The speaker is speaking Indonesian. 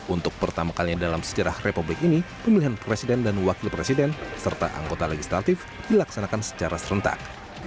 untuk pertama kalinya dalam sejarah republik ini pemilihan presiden dan wakil presiden serta anggota legislatif dilaksanakan secara serentak